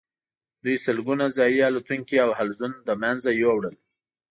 دوی سلګونه ځايي الوتونکي او حلزون له منځه یوړل.